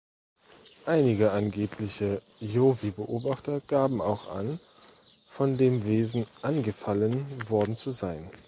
Einige angebliche Yowie-Beobachter gaben auch an, von dem Wesen angefallen worden zu sein.